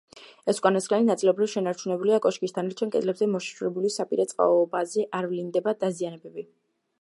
ეს უკანასკნელი ნაწილობრივ შენარჩუნებულია კოშკის დანარჩენ კედლებზე; მოშიშვლებული საპირე წყობაზე არ ვლინდება დაზიანებები.